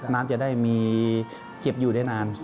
น้ำจะได้มีเก็บอยู่ได้นาน